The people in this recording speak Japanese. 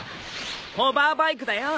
ホバーバイクだよ。